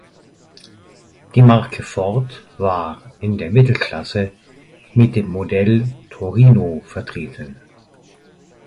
Die Marke Ford war in der Mittelklasse mit dem Modell Torino vertreten.